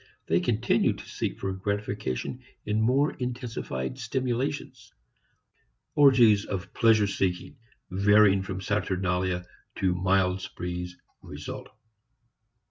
They continue to seek for gratification in more intensified stimulations. Orgies of pleasure seeking, varying from saturnalia to mild sprees, result.